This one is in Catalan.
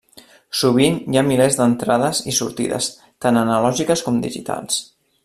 Sovint hi ha milers d'entrades i sortides, tant analògiques com digitals.